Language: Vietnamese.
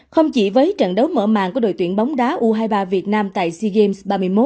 không chỉ với trận đấu mở màn của đội tuyển bóng đá u hai mươi ba việt nam tại sea games ba mươi một